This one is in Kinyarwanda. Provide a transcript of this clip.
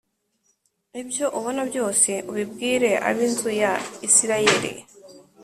Ibyo ubona byose ubibwire ab inzu ya Isirayeli